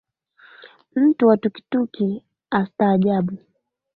Mtu wa Tuktuk atastaajabu.